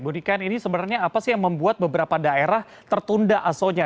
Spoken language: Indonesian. budi kan ini sebenarnya apa sih yang membuat beberapa daerah tertunda aso nya